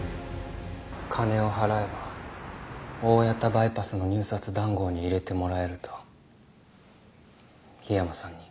金を払えば大谷田バイパスの入札談合に入れてもらえると樋山さんに。